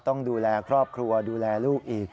ต้องดูแลครอบครัวดูแลลูกอีก